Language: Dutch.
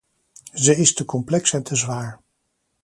Ze is te complex en te zwaar.